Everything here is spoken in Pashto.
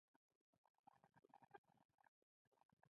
دا د تخیل د ځواک څرګنده بېلګه ده.